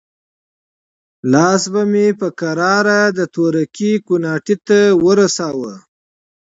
لاس به مې په کراره د تورکي کوناټي ته ورساوه.